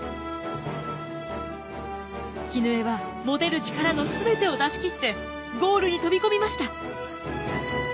絹枝は持てる力の全てを出し切ってゴールに飛び込みました。